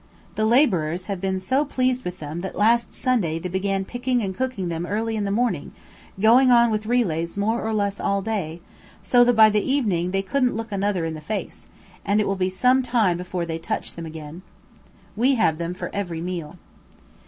The labourers have been so pleased with them that last Sunday they began picking and cooking them in early morning, going on with relays more or less all day, so that by the evening they couldn't look another in the face, and it will be some time before they touch them again. We have them for every meal.